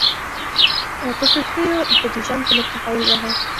په کښتیو په ډیزاین کې لږ تحول راغی.